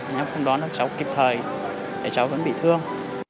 nếu không đón các cháu kịp thời thì cháu vẫn bị thương